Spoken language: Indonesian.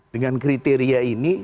dengan kriteria ini